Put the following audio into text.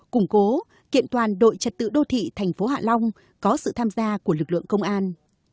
củng cố kiện toàn đội trật tự đô thị thành phố hạ long có sự tham gia của lực lượng công an